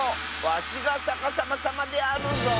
わしがさかさまさまであるぞ。